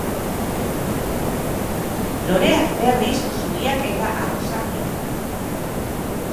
Loreak, berriz, zuriak eta arrosak dira.